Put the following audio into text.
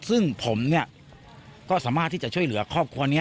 ซึ่งผมเนี่ยก็สามารถที่จะช่วยเหลือครอบครัวนี้